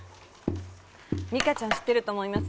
美佳ちゃん、知ってると思います。